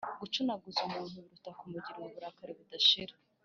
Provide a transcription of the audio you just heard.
Gucunaguza umuntu biruta kumugirira uburakari budashira.